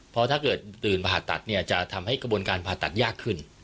เพราะถ้าเกิดตื่นผ่าตัดเนี่ยจะทำให้กระบวนการผ่าตัดยากขึ้น